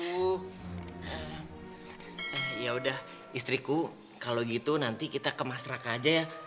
eh yaudah istriku kalau gitu nanti kita ke mas raka aja ya